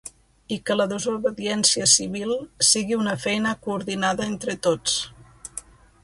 I que la desobediència civil sigui una feina coordinada entre tots.